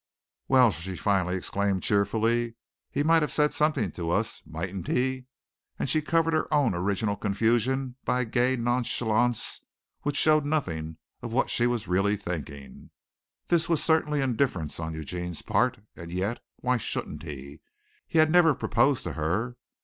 "Well," she finally exclaimed cheerfully, "he might have said something to us, mightn't he?" and she covered her own original confusion by a gay nonchalance which showed nothing of what she was really thinking. This was certainly indifference on Eugene's part, and yet, why shouldn't he? He had never proposed to her.